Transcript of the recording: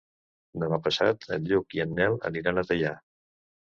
Demà passat en Lluc i en Nel aniran a Teià.